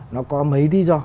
nó có mấy lý do